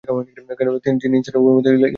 তিনি জ্বিন-ইনসান উভয়ের মধ্যে ইলম শিক্ষা দিতেন।